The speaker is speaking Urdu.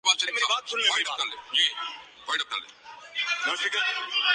ایمارا